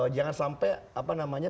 jangan sampai apa namanya